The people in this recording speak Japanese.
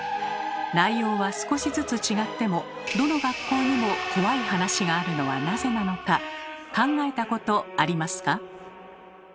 内容は少しずつ違ってもどの学校にも怖い話があるのはなぜなのか考えたことありますか？